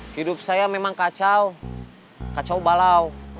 hidup saya memang kacau kacau balau